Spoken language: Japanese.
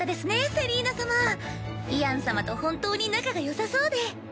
セリーナ様イアン様と本当に仲がよさそうで。